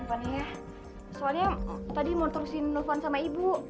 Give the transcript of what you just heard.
soalnya tadi mau terusin nelfon sama ibu